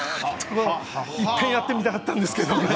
１回やってみたかったんですけどね。